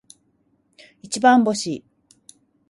一番星